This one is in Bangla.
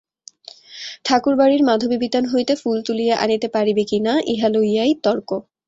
ঠাকুরবাড়ির মাধবীবিতান হইতে ফুল তুলিয়া আনিতে পারিবে কি না, ইহাই লইয়া তর্ক।